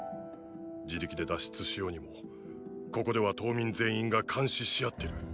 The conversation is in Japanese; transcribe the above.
自力で脱出しようにもここでは島民全員が監視し合ってる。